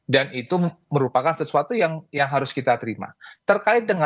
dan itu merupakan sesuatu yang sudah dilakukan akan dilakukan selama dua belas tahun selanjutnya r kommunikasianya